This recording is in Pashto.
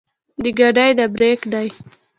د ګاډي د برېک دے